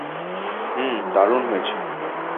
হুম, দারুণ হয়েছে।